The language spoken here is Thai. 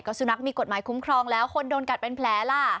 สุนัขมีกฎหมายคุ้มครองแล้วคนโดนกัดเป็นแผลล่ะ